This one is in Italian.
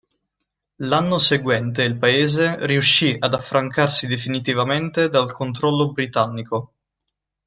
L'anno seguente il paese riuscì ad affrancarsi definitivamente dal controllo britannico.